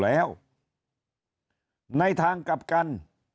แล้วในทางกลับกัน